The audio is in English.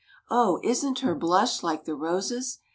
Oh! isn't her blush like the roses?